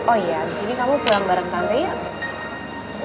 oh iya abis ini kamu pulang bareng tante yuk